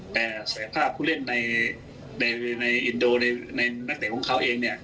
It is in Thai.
แต่ศักยภาพผู้เล่นในอินโดในนักเตะของเขาเองเนี่ย